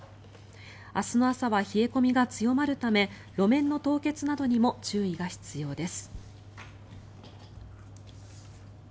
明日の朝は冷え込みが強まるため路面の凍結などにも注意が必要です。